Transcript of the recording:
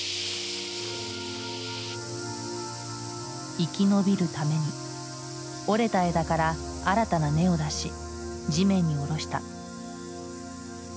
生き延びるために折れた枝から新たな根を出し地面に下ろした。